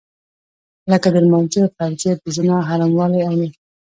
لکه د لمانځه فرضيت د زنا حراموالی او نور.